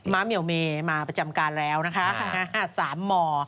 ้าเหมียวเมมาประจำการแล้วนะคะ๓ม